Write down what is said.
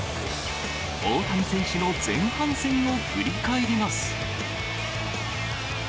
大谷選手の前半戦を振り返ります。